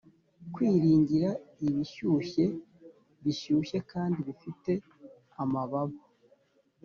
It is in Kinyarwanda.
kwiringira ibishyushye bishyushye kandi bifite amababa